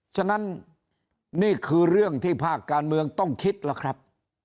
ฉะนั้นนี่คือเรื่องที่ภาคการเมืองต้องคิดแล้วครับ